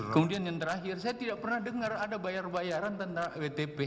kemudian yang terakhir saya tidak pernah dengar ada bayar bayaran tentang wtp